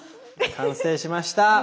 完成しました！